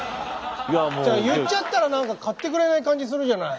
言っちゃったら何か買ってくれない感じするじゃない。